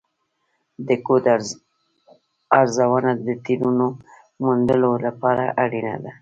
د کوډ ارزونه د تېروتنو موندلو لپاره اړینه ده.